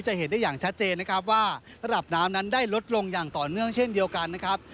เห็นได้อย่างชัดเจนนะครับว่าระดับน้ำนั้นได้ลดลงอย่างต่อเนื่องเช่นเดียวกันนะครับ